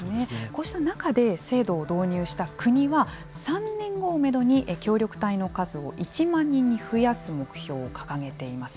こうした中で制度を導入した国は３年後をめどに協力隊の数を１万人に増やす目標を掲げています。